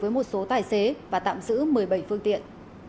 với một số tài xế và tạm giữ một mươi bảy phương tiện